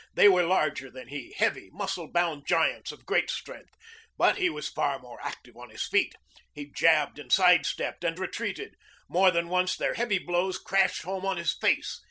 They were larger than he, heavy, muscle bound giants of great strength, but he was far more active on his feet. He jabbed and sidestepped and retreated. More than once their heavy blows crashed home on his face.